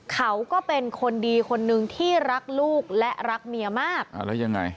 เขาก็เป็นคนดีคนนึงที่รักลูกและรักเมียมากอ่าแล้วยังไง